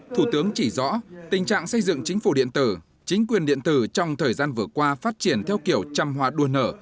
thủ tướng chỉ rõ tình trạng xây dựng chính phủ điện tử chính quyền điện tử trong thời gian vừa qua phát triển theo kiểu trăm hoa đua nở